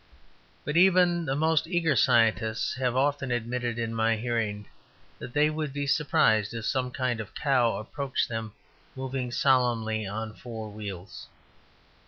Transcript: But even the most eager scientists have often admitted in my hearing that they would be surprised if some kind of cow approached them moving solemnly on four wheels.